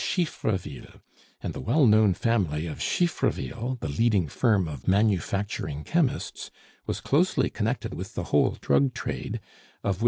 Chiffreville; and the well known family of Chiffreville, the leading firm of manufacturing chemists, was closely connected with the whole drug trade, of which M.